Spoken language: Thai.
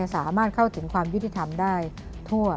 สามารถเข้าถึงความยุติธรรมได้ทั่ว